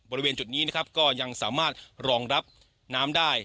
บริเวณจุดนี้นะครับก็ยังสามารถรองรับน้ำได้